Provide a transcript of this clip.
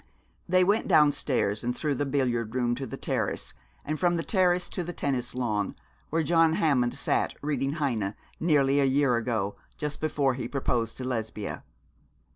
They went downstairs, and through the billiard room to the terrace, and from the terrace to the tennis lawn, where John Hammond sat reading Heine nearly a year ago, just before he proposed to Lesbia.